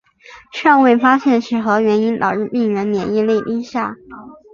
尚未发现是何原因导致病人免疫力低下。